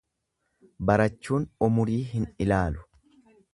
Barachuun umurii hin ilaalu.